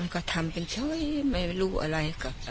มันก็ทำเป็นช้อยไม่รู้อะไรก็